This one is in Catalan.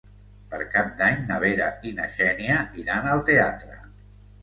Per Cap d'Any na Vera i na Xènia iran al teatre.